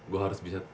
gue harus bisa